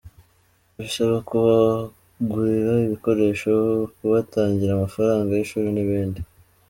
Bisaba kubagurira ibikoresho, kubatangira amafaranga y’ishuri n’ibindi.